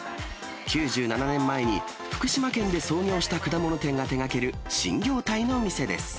９７年前に福島県で創業した果物店が手がける新業態の店です。